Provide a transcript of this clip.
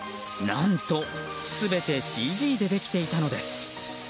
何と全てＣＧでできていたのです。